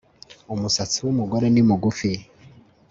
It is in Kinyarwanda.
Umusatsi wumugore ni mugufi